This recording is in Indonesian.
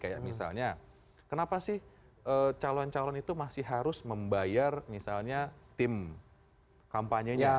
kayak misalnya kenapa sih calon calon itu masih harus membayar misalnya tim kampanyenya